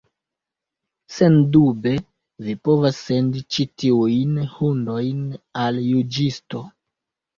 Sendube, vi povas sendi ĉi tiujn hundojn al juĝisto.